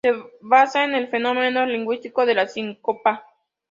Se basa en el fenómeno lingüístico de la síncopa.